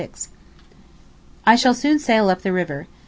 I shall soon sail up the river.